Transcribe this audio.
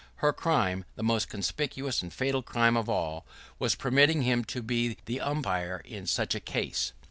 Her crime, the most conspicuous and fatal crime of all, was permitting him to be the umpire in such a case.